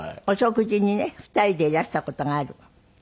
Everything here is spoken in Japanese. お食事にね２人でいらした事がある？